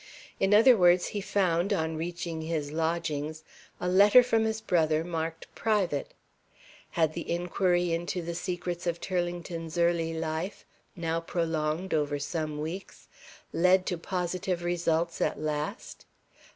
In other words, he found, on reaching his lodgings, a letter from his brother marked "private." Had the inquiry into the secrets of Turlington's early life now prolonged over some weeks led to positive results at last?